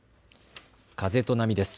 風と波です。